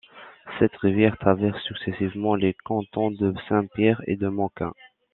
Cette rivière traverse successivement les cantons de Saint-Père et de Moquin.